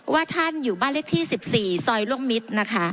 ว่าท่านอยู่บ้านเลขที่๑๔ซอยล่วงมิตรนะคะ